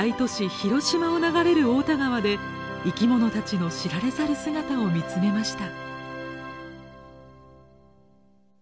広島を流れる太田川で生き物たちの知られざる姿を見つめました。